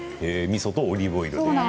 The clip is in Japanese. みそとオリーブオイル。